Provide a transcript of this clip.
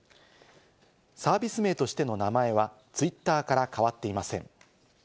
サービス名としての名前はツイッターから変わっていません。